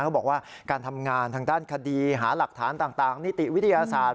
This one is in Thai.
เขาบอกว่าการทำงานทางด้านคดีหาหลักฐานต่างนิติวิทยาศาสตร์